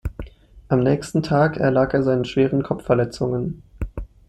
Am nächsten Tag erlag er seinen schweren Kopfverletzungen.